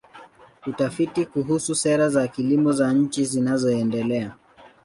Utafiti kuhusu sera za kilimo za nchi zinazoendelea.